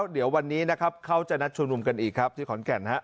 เดี๋ยววันนี้นะครับเขาจะนัดชุมนุมกันอีกครับที่ขอนแก่นฮะ